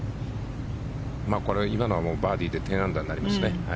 今のはバーディーで１０アンダーになりますね。